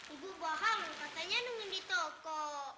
ibu paham katanya nungundi toko